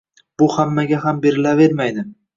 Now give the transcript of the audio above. Bu hammaga ham berilavermaydi.